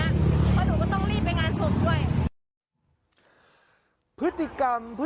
ว่าหนูก็ต้องรีบไปงานศพด้วย